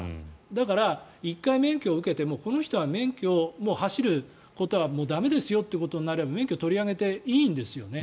だから、１回免許を受けてもこの人はもう走ることは駄目ですよということになれば免許取り上げていいんですよね。